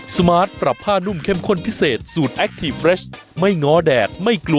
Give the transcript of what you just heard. สวัสดีค่ะสวัสดีค่ะ